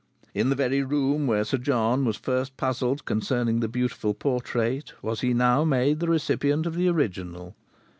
In the very room where Sir John was first puzzled concerning the beautiful portrait, was he now made the recipient of the original.